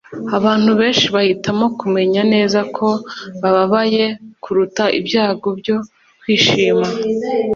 “abantu benshi bahitamo kumenya neza ko bababaye, kuruta ibyago byo kwishima.”